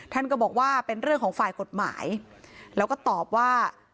ท่านก็บอกว่าเป็นเรื่องของฝ่ายกฎหมายแล้วก็ตอบว่า